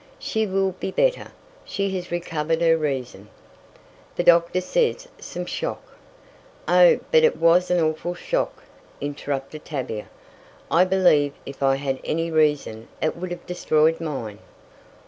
"She will be better! She has recovered her reason. The doctor says some shock " "Oh, but it was an awful shock," interrupted Tavia. "I believe if I had any reason it would have destroyed mine."